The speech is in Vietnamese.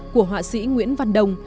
của họa sĩ nguyễn văn đồng